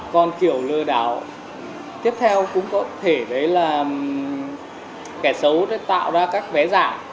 còn kiểu lừa đảo tiếp theo cũng có thể đấy là kẻ xấu tạo ra các vé giả